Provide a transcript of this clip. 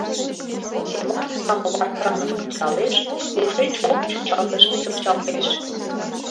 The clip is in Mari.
— Семон самовар краным пӱтыралеш, тушеч кок чӱчалтыш чыпчалтеш.